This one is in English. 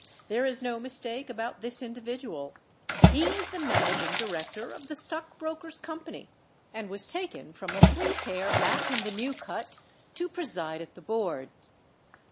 There is no mistake about this individual: he is the Managing Director of the stockbroker's Company, and was taken from a three pair back in the New Cut to preside at the Board.